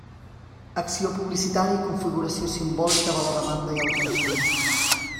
Acció publicitària i configuració simbòlica de la demanda i el consum.